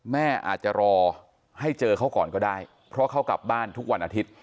แม่อาจจะรอให้เจอเขาก่อนก็ได้เพราะเขากลับบ้านทุกวันอาทิตย์